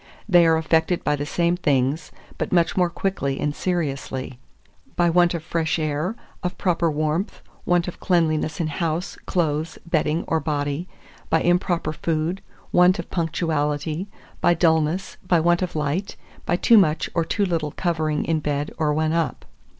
They are affected by the same things, but much more quickly and seriously; by want of fresh air, of proper warmth; want of cleanliness in house, clothes, bedding, or body; by improper food, want of punctuality, by dulness, by want of light, by too much or too little covering in bed or when up."